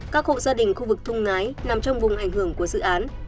các hộ gia đình khu vực thung ngái nằm trong vùng ảnh hưởng của dự án